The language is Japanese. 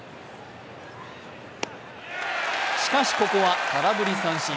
しかし、ここは空振り三振。